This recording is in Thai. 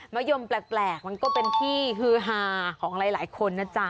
ยมแปลกมันก็เป็นที่ฮือฮาของหลายคนนะจ๊ะ